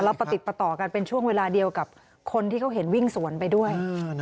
แล้วประติดประต่อกันเป็นช่วงเวลาเดียวกับคนที่เขาเห็นวิ่งสวนไปด้วย